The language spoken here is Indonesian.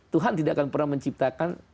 tuhan tidak akan pernah menciptakan